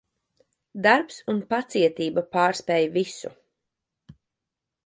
Darbs un pacietība pārspēj visu.